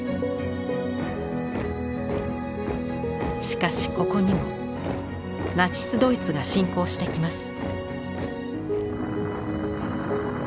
しかしここにもナチス・ドイツが侵攻してきます。